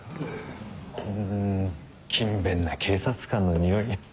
うん勤勉な警察官のにおい。